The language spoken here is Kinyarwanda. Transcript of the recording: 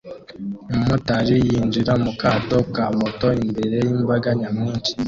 Umumotari yinjira mu kato ka moto imbere y'imbaga nyamwinshi